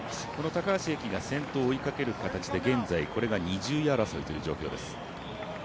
高橋英輝が先頭を追いかける形で現在、これが２０位争いという状況です。